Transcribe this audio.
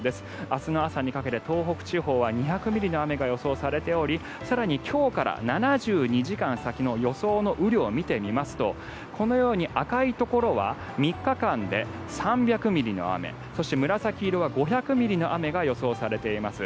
明日の朝にかけて東北地方は２００ミリの雨が予想されており更に今日から７２時間先の予想の雨量を見てみるとこのように赤いところは３日間で３００ミリの雨そして紫色は５００ミリの雨が予想されています。